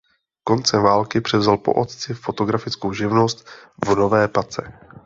Koncem války převzal po otci fotografickou živnost v Nové Pace.